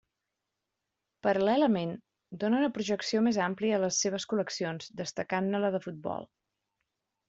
Paral·lelament, dóna una projecció més àmplia a les seves col·leccions, destacant-ne la de futbol.